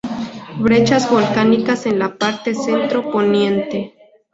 Brechas volcánicas en la parte centro-poniente.